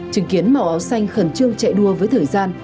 chứng kiến màu áo xanh khẩn trương chạy đua với thời gian